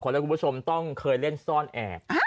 แล้วคุณผู้ชมต้องเคยเล่นซ่อนแอบ